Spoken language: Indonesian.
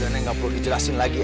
nenek nggak perlu dijelasin lagi